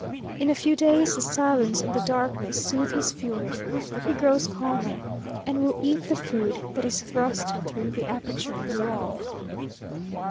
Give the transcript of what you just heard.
In a few days, the silence and the darkness soothe his fury, he grows calmer, and will eat the food that is thrust through the aperture in the wall.